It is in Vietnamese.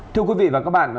thưa quý vị và các bạn